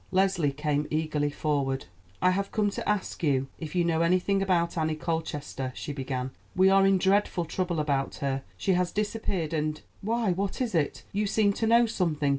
Leslie came eagerly forward. "I have come to ask you if you know anything about Annie Colchester," she began. "We are in dreadful trouble about her; she has disappeared, and—— Why, what is it? You seem to know something.